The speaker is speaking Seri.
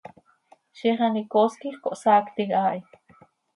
Ziix an icoos quij cohsaactim haa hi.